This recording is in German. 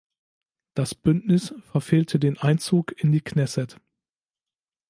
Das Bündnis verfehlte den Einzug in die Knesset.